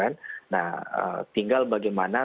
nah tinggal bagaimana